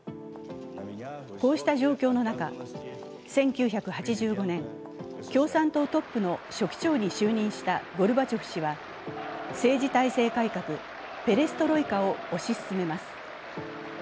こうした状況の中、１９８５年、共産党トップの書記長に就任したゴルバチョフ氏は政治体制改革、ペレストロイカを推し進めます。